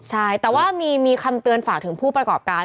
ใช่แต่ว่ามีคำเตือนฝากถึงผู้ประกอบการ